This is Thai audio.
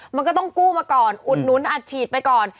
มันก็ต้องกู้มาก่อนอุดหนุนอัดฉีดไปก่อน